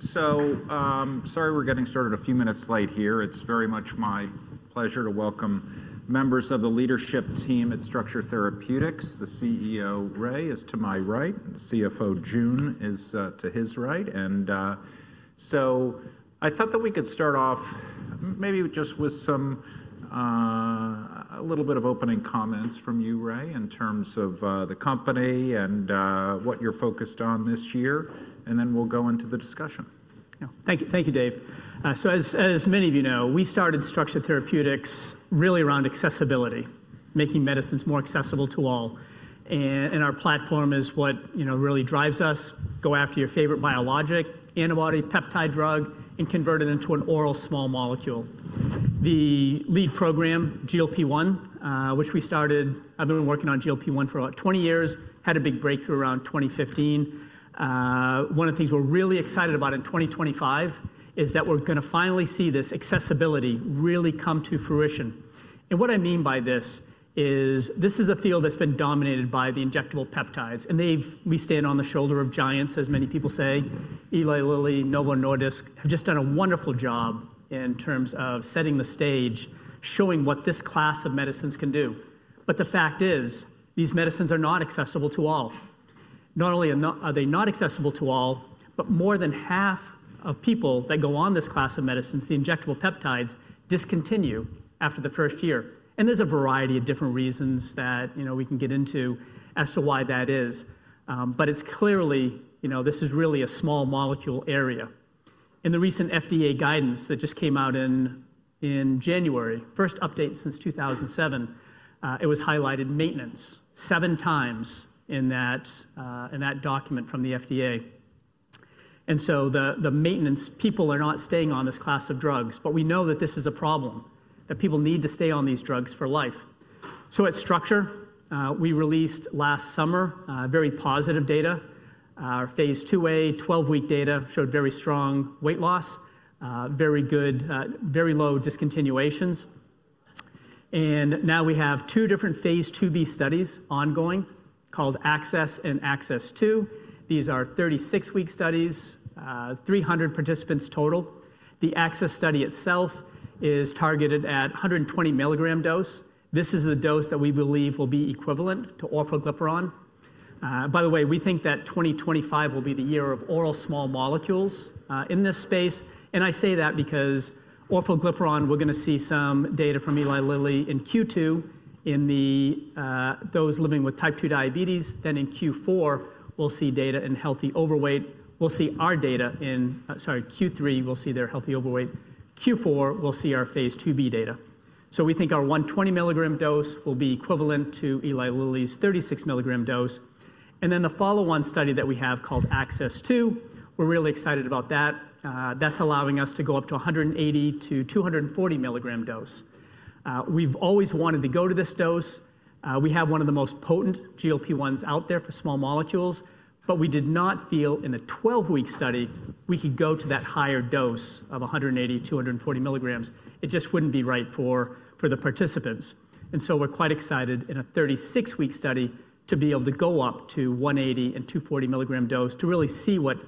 Sorry we're getting started a few minutes late here. It's very much my pleasure to welcome members of the leadership team at Structure Therapeutics. The CEO, Ray, is to my right and CFO, Jun, is to his right. I thought that we could start off maybe just with some, a little bit of opening comments from you, Ray, in terms of the company and what you're focused on this year. Then we'll go into the discussion. Yeah. Thank you. Thank you, Dave. As many of you know, we started Structure Therapeutics really around accessibility, making medicines more accessible to all. Our platform is what, you know, really drives us: go after your favorite biologic, antibody, peptide drug, and convert it into an oral small molecule. The lead program, GLP-1, which we started, I have been working on GLP-1 for about 20 years, had a big breakthrough around 2015. One of the things we are really excited about in 2025 is that we are going to finally see this accessibility really come to fruition. What I mean by this is this is a field that has been dominated by the injectable peptides. We stand on the shoulder of giants, as many people say: Eli Lilly, Novo Nordisk have just done a wonderful job in terms of setting the stage, showing what this class of medicines can do. The fact is, these medicines are not accessible to all. Not only are they not accessible to all, but more than half of people that go on this class of medicines, the injectable peptides, discontinue after the first year. There is a variety of different reasons that, you know, we can get into as to why that is. It is clearly, you know, this is really a small molecule area. In the recent FDA guidance that just came out in January, first update since 2007, it was highlighted maintenance 7x in that document from the FDA. The maintenance people are not staying on this class of drugs. We know that this is a problem, that people need to stay on these drugs for life. At Structure, we released last summer very positive data. Our phase IIa, 12-week data showed very strong weight loss, very good, very low discontinuations. We have two different phase IIb studies ongoing called ACCESS and ACCESS II. These are 36-week studies, 300 participants total. The ACCESS study itself is targeted at 120 mg dose. This is a dose that we believe will be equivalent to orforglipron. By the way, we think that 2025 will be the year of oral small molecules in this space. I say that because orforglipron, we're going to see some data from Eli Lilly in Q2 in those living with type 2 diabetes. In Q4, we'll see data in healthy overweight. We'll see our data in, sorry, Q3, we'll see their healthy overweight. Q4, we'll see our phase IIb data. We think our 120 mg dose will be equivalent to Eli Lilly's 36 mg dose. The follow-on study that we have called ACCESS II, we're really excited about that. That's allowing us to go up to 180 mg to 240 mg dose. We've always wanted to go to this dose. We have one of the most potent GLP-1s out there for small molecules. We did not feel in the 12-week study we could go to that higher dose of 180mg, 240 mg. It just would not be right for the participants. We are quite excited in a 36-week study to be able to go up to 180 mg and 240 mg dose to really see what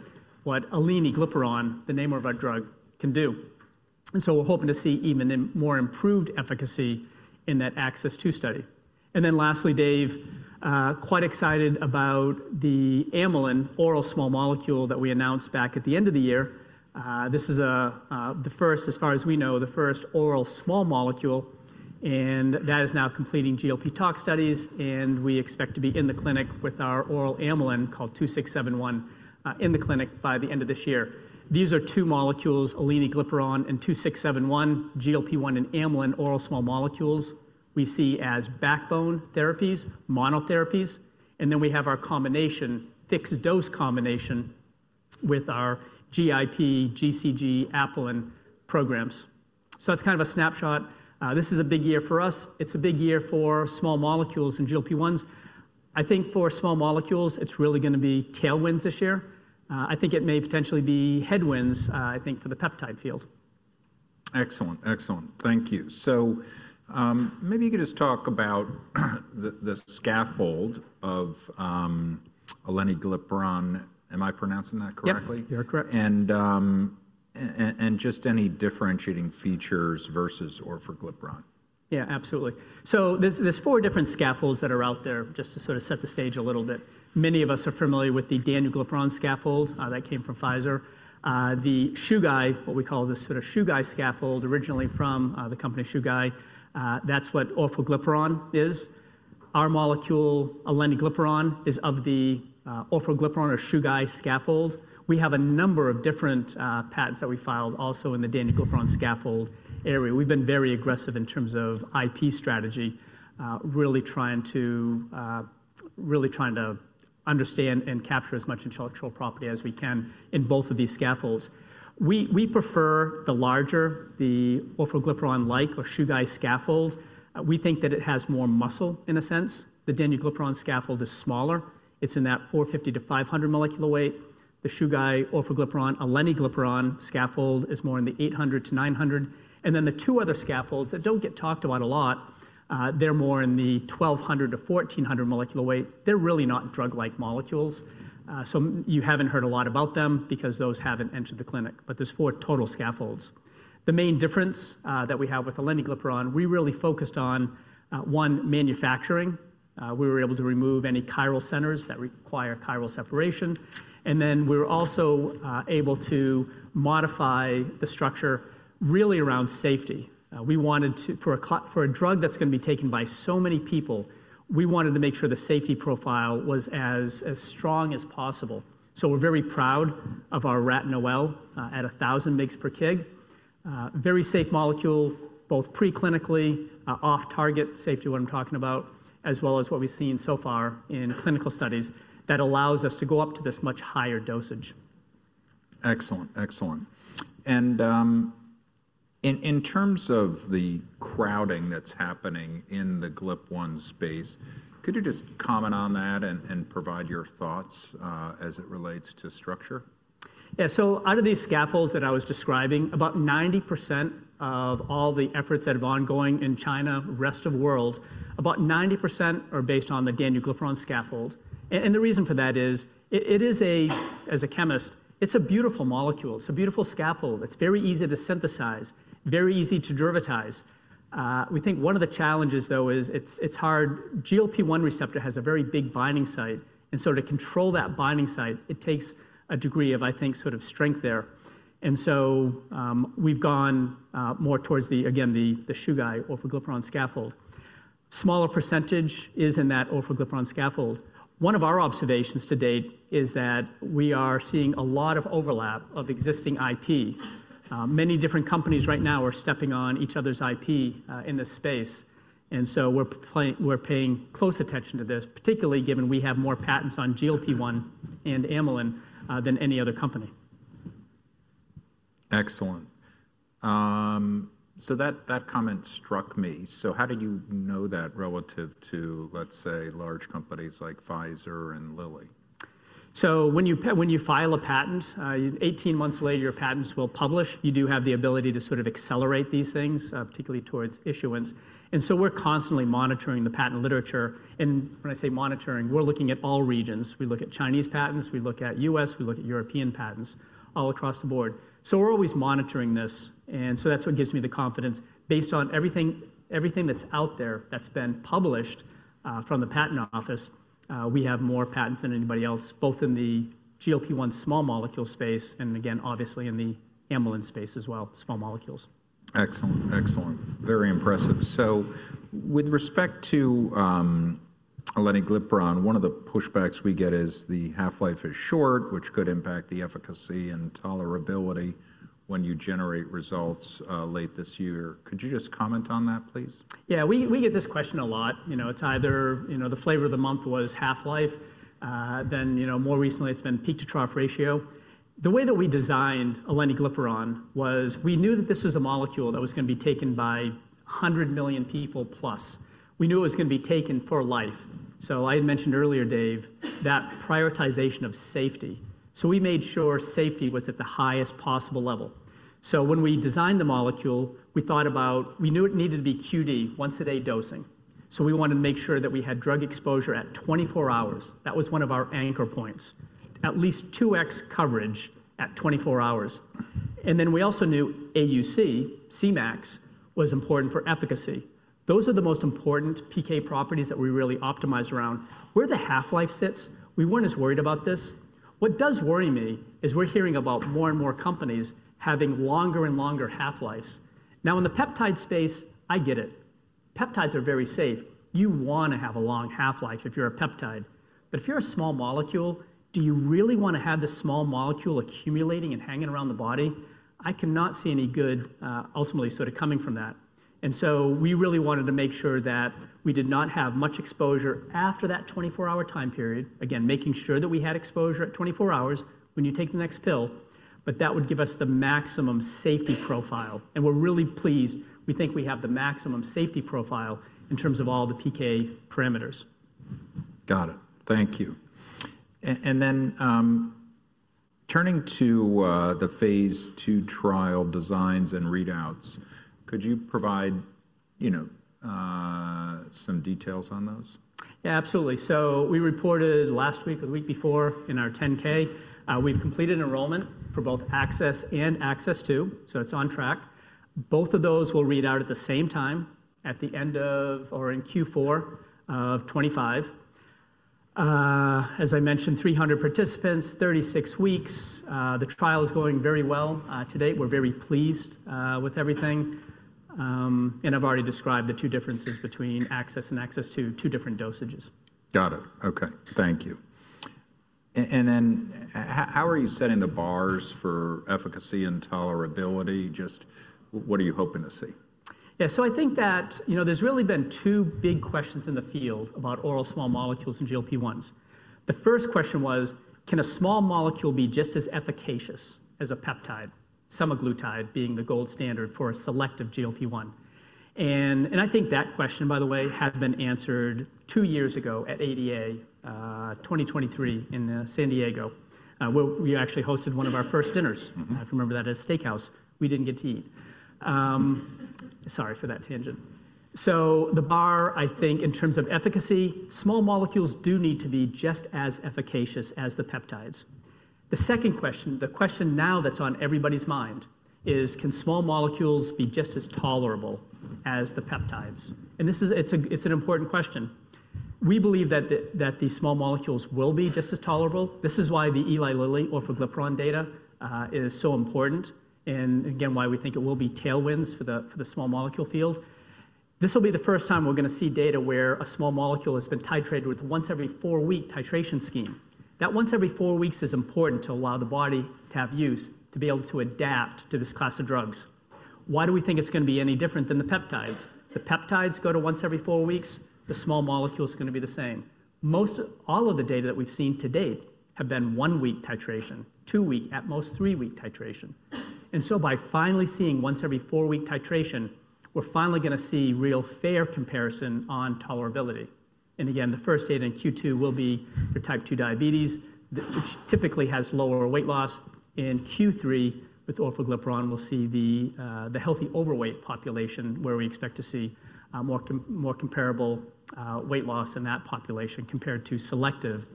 aleniglipron, the name of our drug, can do. We are hoping to see even more improved efficacy in that ACCESS II study. Lastly, Dave, quite excited about the Amylin Oral Small Molecule that we announced back at the end of the year. This is the first, as far as we know, the first oral small molecule. And that is now completing GLP tox studies. We expect to be in the clinic with our oral Amylin called 2671, in the clinic by the end of this year. These are two molecules, aleniglipron and 2671, GLP-1 and Amylin Oral Small Molecules. We see as backbone therapies, monotherapies, and then we have our combination, fixed-dose combination with our GIP, GCG, Apelin programs. That is kind of a snapshot. This is a big year for us. It is a big year for small molecules and GLP-1s. I think for small molecules, it is really going to be tailwinds this year. I think it may potentially be headwinds, I think, for the peptide field. Excellent, excellent. Thank you. Maybe you could just talk about the scaffold of aleniglipron. Am I pronouncing that correctly? Yeah, you're correct. And just any differentiating features versus orforglipron? Yeah, absolutely. There are four different scaffolds that are out there just to sort of set the stage a little bit. Many of us are familiar with the danuglipron scaffold that came from Pfizer. The Chugai, what we call this sort of Chugai scaffold, originally from the company Chugai, that's what orforglipron is. Our molecule, aleniglipron, is of the orforglipron or Chugai scaffold. We have a number of different patents that we filed also in the danuglipron scaffold area. We've been very aggressive in terms of IP strategy, really trying to understand and capture as much intellectual property as we can in both of these scaffolds. We prefer the larger, the orforglipron-like or Chugai scaffold. We think that it has more muscle in a sense. The danuglipron scaffold is smaller. It's in that 450 molecular weight to 500 molecular weight. The Chugai orforglipron, aleniglipron scaffold is more in the 800 molecular weight to 900 molecular weight. The two other scaffolds that do not get talked about a lot, they are more in the 1200 molecular weight to1400 molecular weight. They are really not drug-like molecules. You have not heard a lot about them because those have not entered the clinic. There are four total scaffolds. The main difference that we have with aleniglipron, we really focused on, one, manufacturing. We were able to remove any chiral centers that require chiral separation. We were also able to modify the structure really around safety. We wanted to, for a drug that is going to be taken by so many people, we wanted to make sure the safety profile was as strong as possible. We are very proud of our rat NOAEL at 1,000 mg/kg. Very safe molecule, both preclinically, off-target, safety what I'm talking about, as well as what we've seen so far in clinical studies that allows us to go up to this much higher dosage. Excellent, excellent. In terms of the crowding that's happening in the GLP-1 space, could you just comment on that and provide your thoughts, as it relates to Structure? Yeah. Out of these scaffolds that I was describing, about 90% of all the efforts that are ongoing in China, rest of the world, about 90% are based on the danuglipron scaffold. The reason for that is, as a chemist, it's a beautiful molecule. It's a beautiful scaffold. It's very easy to synthesize, very easy to derivatize. We think one of the challenges, though, is it's hard. GLP-1 receptor has a very big binding site. To control that binding site, it takes a degree of, I think, sort of strength there. We've gone more towards the, again, the Chugai orforglipron scaffold. A smaller percentage is in that orforglipron scaffold. One of our observations to date is that we are seeing a lot of overlap of existing IP. Many different companies right now are stepping on each other's IP in this space. We are paying close attention to this, particularly given we have more patents on GLP-1 and Amylin than any other company. Excellent. That comment struck me. How do you know that relative to, let's say, large companies like Pfizer and Lilly? When you file a patent, 18 months later, your patents will publish. You do have the ability to sort of accelerate these things, particularly towards issuance. We're constantly monitoring the patent literature. When I say monitoring, we're looking at all regions. We look at Chinese patents. We look at U.S. We look at European patents all across the board. We're always monitoring this so that's what gives me the confidence. Based on everything, everything that's out there that's been published from the patent office, we have more patents than anybody else, both in the GLP-1 small molecule space and, again, obviously in the Amylin space as well, small molecules. Excellent, excellent. Very impressive. With respect to aleniglipron, one of the pushbacks we get is the half-life is short, which could impact the efficacy and tolerability when you generate results late this year. Could you just comment on that, please? Yeah. We get this question a lot. You know, it's either, you know, the flavor of the month was half-life. Then, you know, more recently, it's been peak-to-trough ratio. The way that we designed aleniglipron was we knew that this was a molecule that was going to be taken by 100 million people plus. We knew it was going to be taken for life. I had mentioned earlier, Dave, that prioritization of safety. We made sure safety was at the highest possible level. When we designed the molecule, we thought about we knew it needed to be QD, once-a-day dosing. We wanted to make sure that we had drug exposure at 24 hours. That was one of our anchor points. At least 2x coverage at 24 hours. We also knew AUC, Cmax, was important for efficacy. Those are the most important PK properties that we really optimized around. Where the half-life sits, we were not as worried about this. What does worry me is we are hearing about more and more companies having longer and longer half-lives. Now, in the peptide space, I get it. Peptides are very safe. You want to have a long half-life if you are a peptide. If you are a small molecule, do you really want to have this small molecule accumulating and hanging around the body? I cannot see any good, ultimately sort of coming from that. We really wanted to make sure that we did not have much exposure after that 24-hour time period. Again, making sure that we had exposure at 24 hours when you take the next pill. That would give us the maximum safety profile. We are really pleased. We think we have the maximum safety profile in terms of all the PK parameters. Got it. Thank you. And then, turning to the phase II trial designs and readouts, could you provide, you know, some details on those? Yeah, absolutely. We reported last week or the week before in our 10-K. We've completed enrollment for both ACCESS and ACCESS II. It is on track. Both of those will read out at the same time at the end of or in Q4 of 2025. As I mentioned, 300 participants, 36-weeks. The trial is going very well. To date, we're very pleased with everything. I've already described the two differences between ACCESS and ACCESS II, two different dosages. Got it. Okay. Thank you. And then how are you setting the bars for efficacy and tolerability? Just what are you hoping to see? Yeah. I think that, you know, there's really been two big questions in the field about oral small molecules and GLP-1s. The first question was, can a small molecule be just as efficacious as a peptide? Semaglutide being the gold standard for a selective GLP-1. I think that question, by the way, has been answered two years ago at ADA, 2023 in San Diego, where we actually hosted one of our first dinners. I remember that at a steakhouse. We didn't get to eat. Sorry for that tangent. The bar, I think, in terms of efficacy, small molecules do need to be just as efficacious as the peptides. The second question, the question now that's on everybody's mind is, can small molecules be just as tolerable as the peptides? This is, it's a, it's an important question. We believe that the small molecules will be just as tolerable. This is why the Eli Lilly orforglipron data is so important and, again, why we think it will be tailwinds for the small molecule field. This will be the first time we're going to see data where a small molecule has been titrated with a once-every-four-week titration scheme. That once-every-four-weeks is important to allow the body to have use to be able to adapt to this class of drugs. Why do we think it's going to be any different than the peptides? The peptides go to once-every-four-weeks. The small molecule's going to be the same. Most all of the data that we've seen to date have been one-week titration, two-week titration, at most three-week titration. By finally seeing once-every-four-week titration, we're finally going to see real fair comparison on tolerability. The first data in Q2 will be for type 2 diabetes, which typically has lower weight loss. In Q3 with orforglipron, we'll see the healthy overweight population where we expect to see more comparable weight loss in that population compared to selective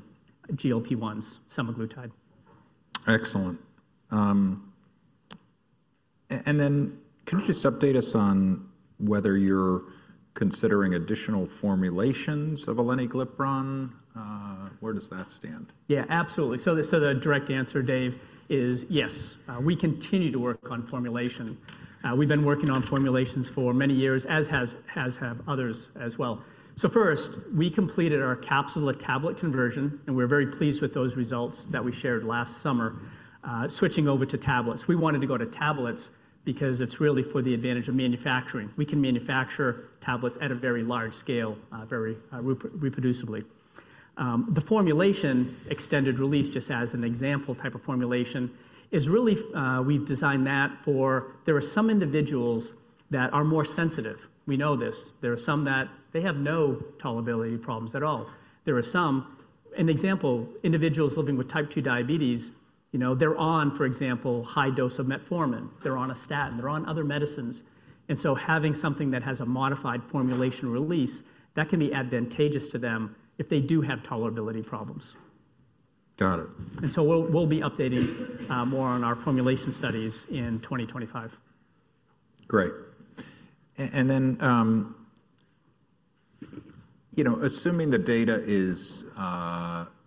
GLP-1s, semaglutide. Excellent. And then could you just update us on whether you're considering additional formulations of aleniglipron? Where does that stand? Yeah, absolutely. The direct answer, Dave, is yes. We continue to work on formulation. We've been working on formulations for many years, as have others as well. First, we completed our capsule to tablet conversion, and we're very pleased with those results that we shared last summer. Switching over to tablets, we wanted to go to tablets because it's really for the advantage of manufacturing. We can manufacture tablets at a very large scale, very reproducibly. The formulation extended release, just as an example type of formulation, is really, we've designed that for there are some individuals that are more sensitive. We know this. There are some that have no tolerability problems at all. There are some, an example, individuals living with type 2 diabetes, you know, they're on, for example, high dose of metformin. They're on a statin. They're on other medicines. Having something that has a modified formulation release, that can be advantageous to them if they do have tolerability problems. Got it. We will be updating more on our formulation studies in 2025. Great. And then, you know, assuming the data is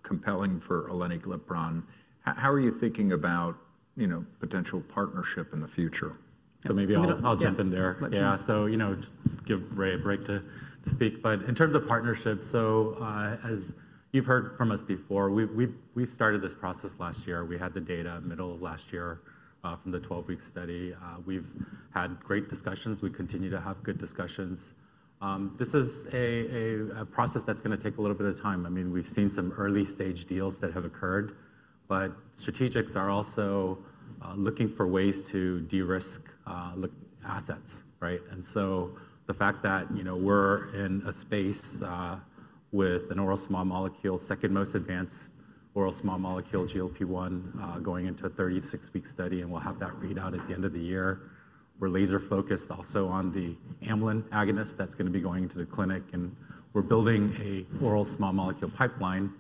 compelling for aleniglipron, how, how are you thinking about, you know, potential partnership in the future? Maybe I'll jump in there. Yeah. You know, just give Ray a break to speak. In terms of partnership, as you've heard from us before, we've started this process last year. We had the data middle of last year from the 12-week study. We've had great discussions. We continue to have good discussions. This is a process that's going to take a little bit of time. I mean, we've seen some early-stage deals that have occurred. Strategics are also looking for ways to de-risk, look at assets, right? The fact that, you know, we're in a space with an oral small molecule, second-most advanced oral small molecule, GLP-1, going into a 36-week study, and we'll have that readout at the end of the year. We're laser-focused also on the Amylin agonist that's going to be going to the clinic. We're building an oral small molecule pipeline,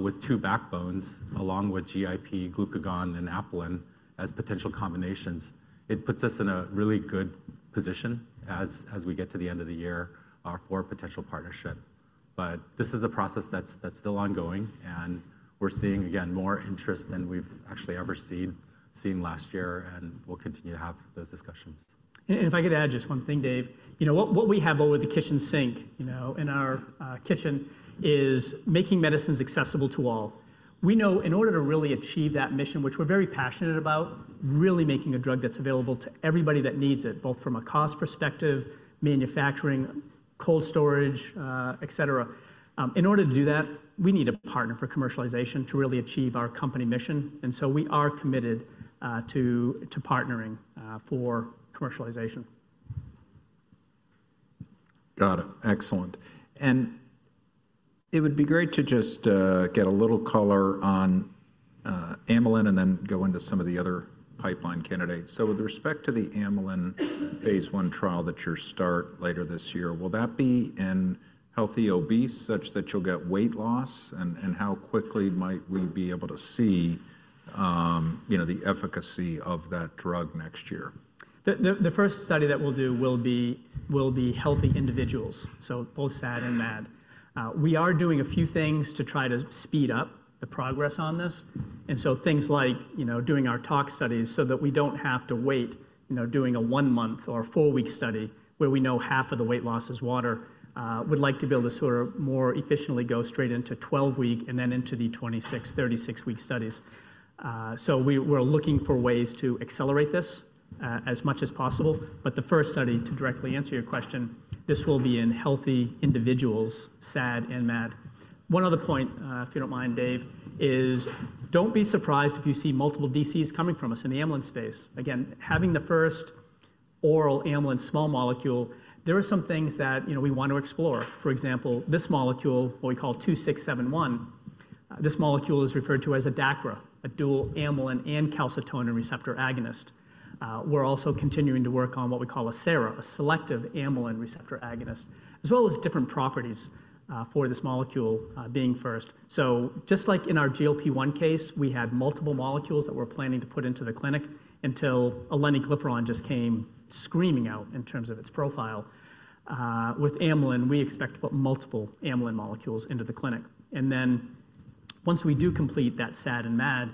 with two backbones along with GIP, glucagon, and Apelin as potential combinations. It puts us in a really good position as we get to the end of the year, for a potential partnership. This is a process that's still ongoing. We're seeing, again, more interest than we've actually ever seen last year. We'll continue to have those discussions. If I could add just one thing, Dave, you know, what we have over the kitchen sink, you know, in our kitchen is making medicines accessible to all. We know in order to really achieve that mission, which we're very passionate about, really making a drug that's available to everybody that needs it, both from a cost perspective, manufacturing, cold storage, et cetera. In order to do that, we need a partner for commercialization to really achieve our company mission. We are committed to partnering for commercialization. Got it. Excellent. It would be great to just get a little color on Amylin and then go into some of the other pipeline candidates. With respect to the Amylin phase I trial that you'll start later this year, will that be in healthy obese such that you'll get weight loss? How quickly might we be able to see, you know, the efficacy of that drug next year? The first study that we'll do will be healthy individuals, so both SAD and MAD. We are doing a few things to try to speed up the progress on this. Things like, you know, doing our tox studies so that we don't have to wait, you know, doing a one-month or a four-week study where we know half of the weight loss is water. We'd like to be able to sort of more efficiently go straight into 12-week and then into the 26-week, 36-week studies. We're looking for ways to accelerate this, as much as possible. The first study, to directly answer your question, this will be in healthy individuals, SAD and MAD. One other point, if you don't mind, Dave, is don't be surprised if you see multiple DCs coming from us in the Amylin space. Again, having the first oral Amylin small molecule, there are some things that, you know, we wanna explore. For example, this molecule, what we call 2,6,7,1, this molecule is referred to as a DACRA, a Dual Amylin and Calcitonin Receptor Agonist. We're also continuing to work on what we call a SARA, a Selective Amylin Receptor Agonist, as well as different properties, for this molecule, being first. Just like in our GLP-1 case, we had multiple molecules that we're planning to put into the clinic until aleniglipron just came screaming out in terms of its profile. With Amylin, we expect to put multiple Amylin molecules into the clinic. Once we do complete that SAD and MAD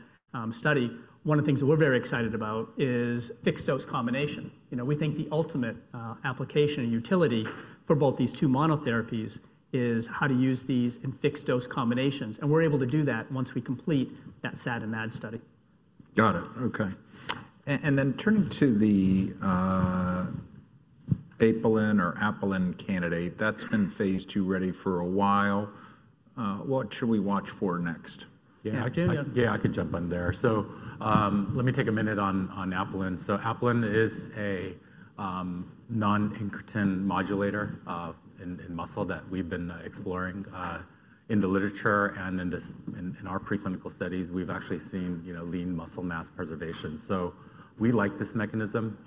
study, one of the things that we're very excited about is fixed-dose combination. You know, we think the ultimate application and utility for both these two monotherapies is how to use these in fixed-dose combinations. And we're able to do that once we complete that SAD and MAD study. Got it. Okay. And then turning to the Apelin or Apelin candidate, that's been phase II ready for a while. What should we watch for next? Yeah. Yeah. Actually, yeah, I could jump in there. Let me take a minute on Apelin. Apelin is a non-incretin modulator in muscle that we've been exploring in the literature and in our preclinical studies. We've actually seen, you know, lean muscle mass preservation. We like this mechanism.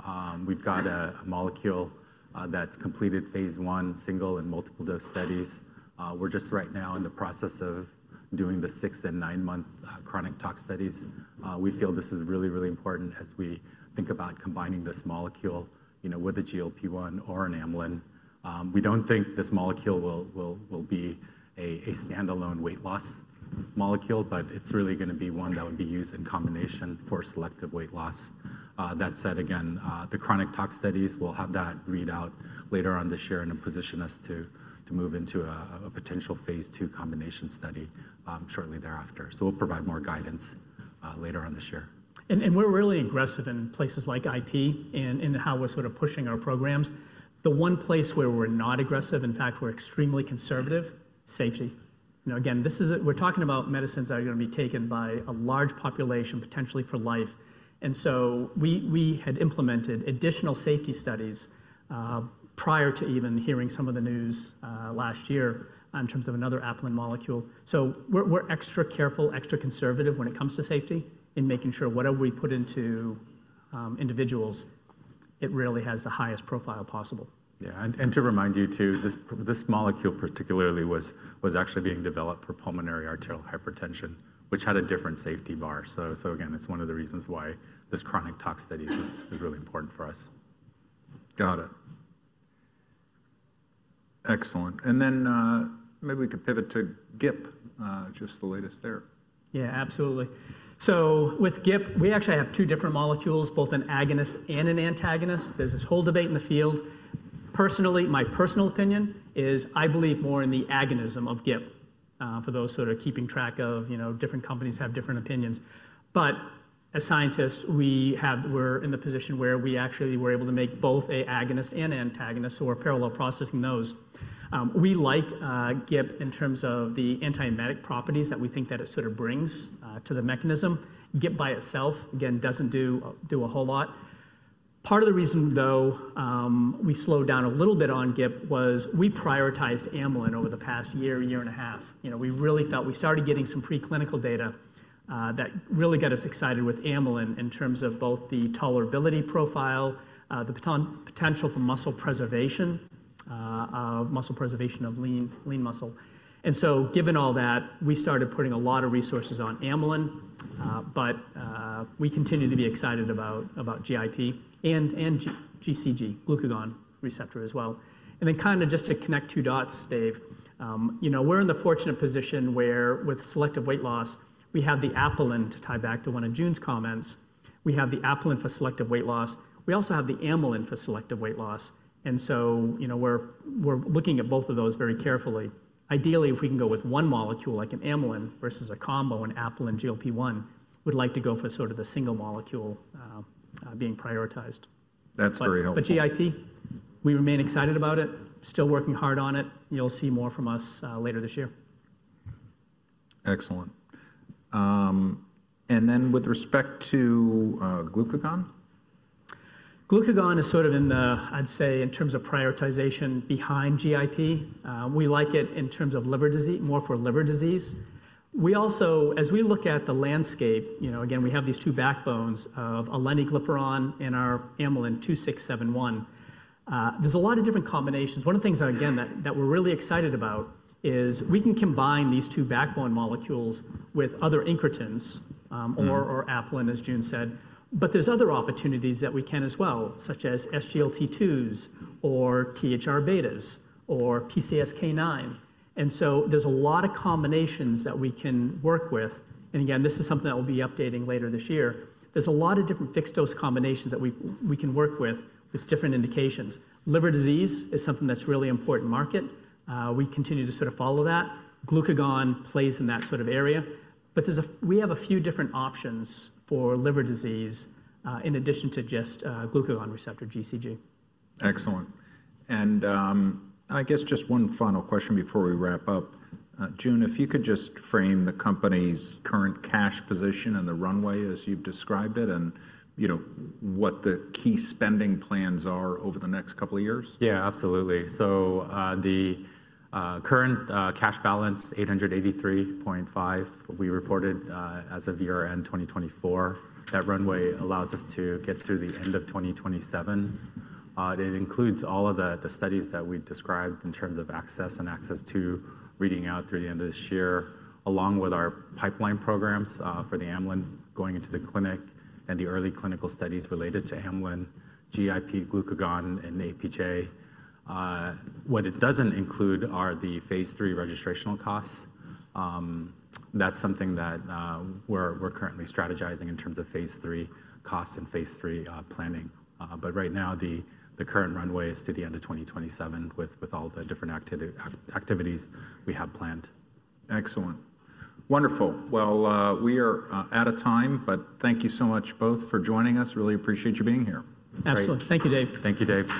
We've got a molecule that's completed phase I single and multiple dose studies. We're just right now in the process of doing the six-month and nine-month chronic tox studies. We feel this is really, really important as we think about combining this molecule, you know, with a GLP-1 or an Amylin. We don't think this molecule will be a standalone weight loss molecule, but it's really going to be one that would be used in combination for selective weight loss. That said, again, the chronic tox studies will have that readout later on this year and position us to move into a potential phase II combination study shortly thereafter. We will provide more guidance later on this year. We're really aggressive in places like IP and how we're sort of pushing our programs. The one place where we're not aggressive, in fact, we're extremely conservative, is safety. You know, this is a, we're talking about medicines that are going to be taken by a large population potentially for life. We had implemented additional safety studies prior to even hearing some of the news last year in terms of another Apelin molecule. We're extra careful, extra conservative when it comes to safety in making sure whatever we put into individuals, it really has the highest profile possible. Yeah. And to remind you too, this molecule particularly was actually being developed for pulmonary arterial hypertension, which had a different safety bar. So again, it's one of the reasons why this chronic talk studies is really important for us. Got it. Excellent. And then, maybe we could pivot to GIP, just the latest there. Yeah, absolutely. With GIP, we actually have two different molecules, both an agonist and an antagonist. There's this whole debate in the field. Personally, my personal opinion is I believe more in the agonism of GIP, for those sort of keeping track of, you know, different companies have different opinions. As scientists, we are in the position where we actually were able to make both an agonist and antagonist, so we're parallel processing those. We like GIP in terms of the antiemetic properties that we think that it sort of brings to the mechanism. GIP by itself, again, doesn't do a whole lot. Part of the reason we slowed down a little bit on GIP was we prioritized Amylin over the past year, year and a half. You know, we really felt we started getting some preclinical data that really got us excited with Amylin in terms of both the tolerability profile, the potential for muscle preservation, muscle preservation of lean, lean muscle. Given all that, we started putting a lot of resources on Amylin, but we continue to be excited about GIP and GCG, glucagon receptor as well. Kind of just to connect two dots, Dave, you know, we're in the fortunate position where with selective weight loss, we have the Apelin to tie back to one of Jun's comments. We have the Apelin for selective weight loss. We also have the Amylin for selective weight loss. You know, we're looking at both of those very carefully. Ideally, if we can go with one molecule like an Amylin versus a combo, an Apelin GLP-1, we'd like to go for sort of the single molecule, being prioritized. That's very helpful. GIP, we remain excited about it, still working hard on it. You'll see more from us later this year. Excellent. And then with respect to glucagon? Glucagon is sort of in the, I'd say in terms of prioritization behind GIP. We like it in terms of liver disease, more for liver disease. We also, as we look at the landscape, you know, again, we have these two backbones of aleniglipron and our Amylin 2671. There's a lot of different combinations. One of the things that we're really excited about is we can combine these two backbone molecules with other incretins, or Apelin, as Jun said. There's other opportunities that we can as well, such as SGLT2s or THR betas or PCSK9. There are a lot of combinations that we can work with. This is something that we'll be updating later this year. There are a lot of different fixed-dose combinations that we can work with, with different indications. Liver disease is something that's really important market. We continue to sort of follow that. Glucagon plays in that sort of area. There is a, we have a few different options for liver disease, in addition to just glucagon receptor GCG. Excellent, just one final question before we wrap up. Jun, if you could just frame the company's current cash position and the runway as you've described it and, you know, what the key spending plans are over the next couple of years. Yeah, absolutely. The current cash balance, $883.5 million, we reported as of year-end 2024. That runway allows us to get through the end of 2027. It includes all of the studies that we've described in terms of ACCESS and ACCESS II to reading out through the end of this year, along with our pipeline programs for the Amylin going into the clinic and the early clinical studies related to Amylin, GIP, glucagon, and APJ. What it doesn't include are the phase III registrational costs. That's something that we're currently strategizing in terms of phase III costs and phase III planning. Right now, the current runway is to the end of 2027 with all the different activities we have planned. Excellent. Wonderful. We are out of time, but thank you so much both for joining us, really appreciate you being here. Excellent. Thank you, Dave. Thank you, Dave.